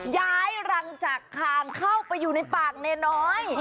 ย้ายรังจากคางเข้าไปอยู่ในปากเนน้อย